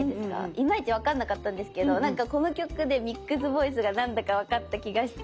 いまいち分かんなかったんですけどなんかこの曲でミックスボイスが何だか分かった気がして。